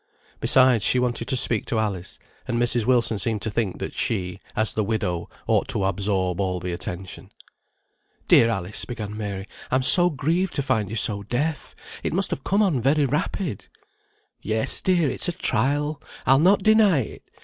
Besides she wanted to speak to Alice, and Mrs. Wilson seemed to think that she, as the widow, ought to absorb all the attention. "Dear Alice," began Mary, "I'm so grieved to find you so deaf; it must have come on very rapid." "Yes, dear, it's a trial; I'll not deny it.